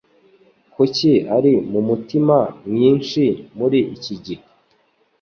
Kuki ari mumutima mwinshi muri iki gihe?